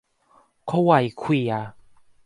ขวะไขว่เขวี่ย